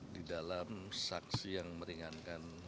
di dalam saksi yang meringankan